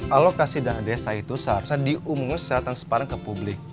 alokasi dana desa itu seharusnya diumumkan secara transparan ke publik